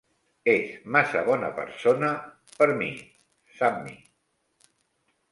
És massa bona persona per mi, Sammy.